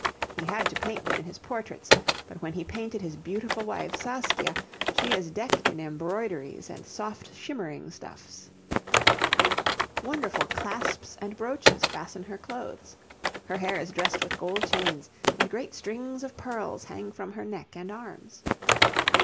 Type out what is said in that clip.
He had to paint them in his portraits; but when he painted his beautiful wife, Saskia, she is decked in embroideries and soft shimmering stuffs. Wonderful clasps and brooches fasten her clothes. Her hair is dressed with gold chains, and great strings of pearls hang from her neck and arms.